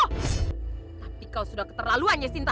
tapi kau sudah keterlaluan ya sinta